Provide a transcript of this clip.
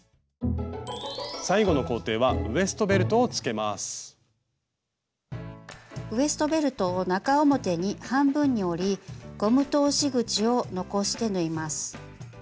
最後の工程はウエストベルトを中表に半分に折りゴム通し口を残して縫います。